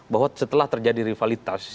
bahwa setelah terjadi rivalitas